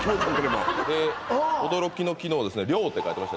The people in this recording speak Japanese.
驚きの機能「涼」って書いてました